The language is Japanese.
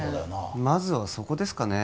まずはそこですかね？